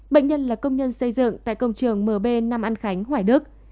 bệnh nhân là công nhân xây dựng tại công trường mb năm an khánh hoài đức